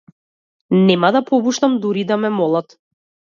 Нема да попуштам дури и да ме молат.